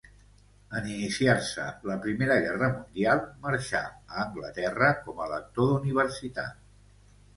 En iniciar-se la primera guerra mundial marxà a Anglaterra com a lector d'Universitat.